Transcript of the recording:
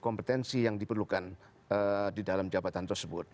kompetensi yang diperlukan di dalam jabatan tersebut